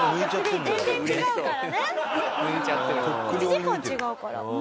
１時間違うから。